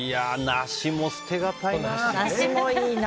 梨も捨てがたいな。